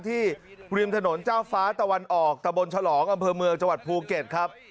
ริมถนนเจ้าฟ้าตะวันออกตะบนฉลองอำเภอเมืองจังหวัดภูเก็ตครับ